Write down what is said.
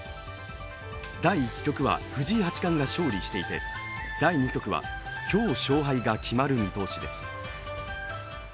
第１局は藤井八冠が勝利していて第２局は今日勝敗が決まる見通しです。